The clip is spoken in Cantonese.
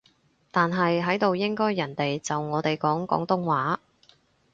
但係喺度應該人哋就我哋講廣東話